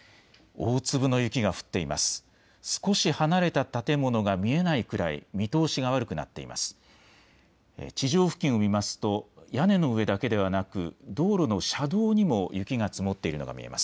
大粒の雪が降っています。